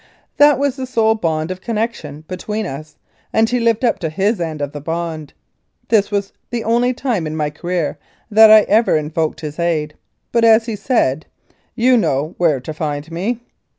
That was the sole bond of connection between us, and he lived up to his end of the bond. This was the only time in my career that I ever invoked his aid, but, as he said, "You know where to find me."